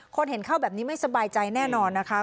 เห็นเข้าแบบนี้ไม่สบายใจแน่นอนนะคะ